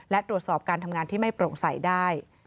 และตรวจสอบการทำงานที่ไม่โปร่งใสได้